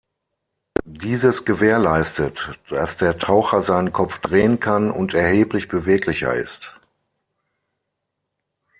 Dieses gewährleistet, dass der Taucher seinen Kopf drehen kann und erheblich beweglicher ist.